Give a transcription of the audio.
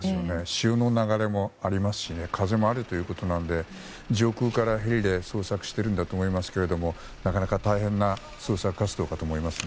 潮の流れもありますし風もあるということなので上空からヘリで捜索しているんだと思いますがなかなか大変な捜索活動だと思います。